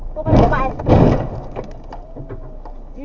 พูดให้มันไป